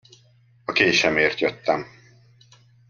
A késemért jöttem!